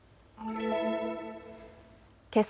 けさ